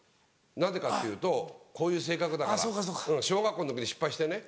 なぜかっていうとこういう性格だから小学校の時に失敗してね。